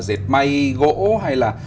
dệt máy gỗ hay là